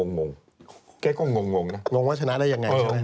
งงว่าชนะได้อย่างไร